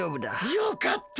よかった。